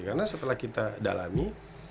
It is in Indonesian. karena setelah kita dalami